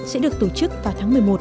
sẽ được tổ chức vào tháng một mươi một